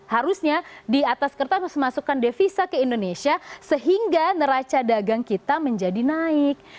harusnya di atas kertas harus memasukkan devisa ke indonesia sehingga neraca dagang kita menjadi naik